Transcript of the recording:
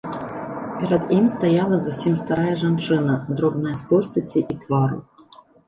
Перад ім стаяла зусім старая жанчына, дробная з постаці і твару.